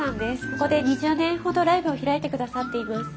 ここで２０年ほどライブを開いてくださっています。